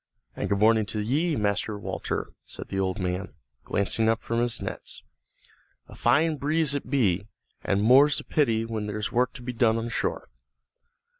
"And good morning to ye, Master Walter," said the old man, glancing up from his nets. "A fine breeze it be, an' more's the pity when there's work to be done on shore."